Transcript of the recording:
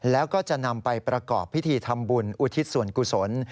แล้วก็จะนำไปประกอบพิธีทำบุญอุทิศส่วนกุศล